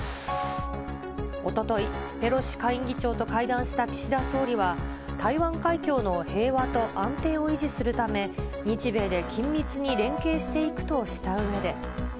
おととい、ペロシ下院議長と会談した岸田総理は、台湾海峡の平和と安定を維持するため、日米で緊密に連携していくとしたうえで。